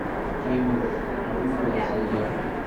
Qqimet ɣef ukersi-a.